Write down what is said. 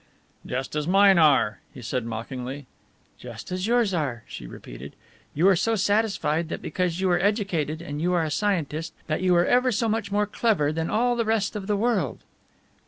"Just as mine are," he said mockingly. "Just as yours are," she repeated; "you are so satisfied that because you are educated and you are a scientist, that you are ever so much more clever than all the rest of the world."